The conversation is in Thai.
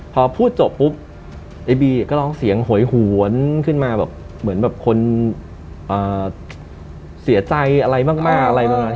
พอพูดจบปุ๊บไอ้บีก็ร้องเสียงโหยหวนขึ้นมาแบบเหมือนแบบคนเสียใจอะไรมากอะไรประมาณนั้น